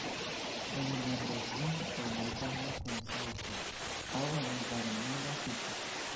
Oni manĝas ĝin aŭ malvarma kun saŭco, aŭ en varmega supo.